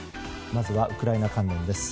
まずはウクライナ関連です。